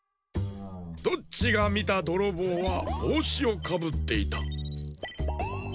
ドッチがみたどろぼうはぼうしをかぶっていた。